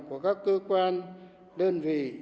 của các cơ quan đơn vị